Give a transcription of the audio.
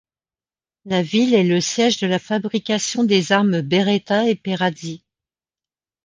La ville est le siège de la fabrication des armes Beretta et Perazzi.